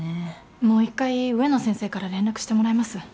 もう一回植野先生から連絡してもらいます。